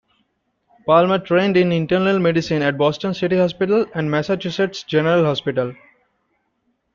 Palmer trained in internal medicine at Boston City Hospital and Massachusetts General Hospital.